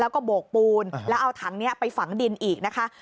แล้วก็โบกปูนแล้วเอาถังนี้ไปฝังดินอีกนะคะ